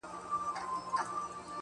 خو كله ، كله مي بيا.